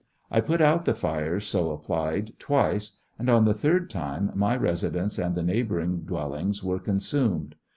I put out the fires so applied twice, and on the third time my residence and the neighboring dwellings were consumed.